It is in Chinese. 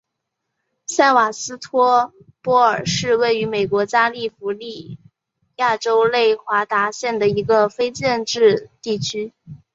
塞瓦斯托波尔是位于美国加利福尼亚州内华达县的一个非建制地区。